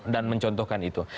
dan mencontohkan itu